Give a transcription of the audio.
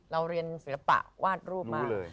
เราเรียนศิลปะวาดรูปมากเลย